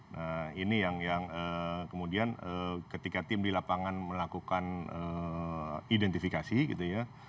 nah ini yang kemudian ketika tim di lapangan melakukan identifikasi gitu ya